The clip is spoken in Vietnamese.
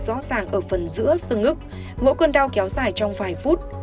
rõ ràng ở phần giữa xương ức mỗi cơn đau kéo dài trong vài phút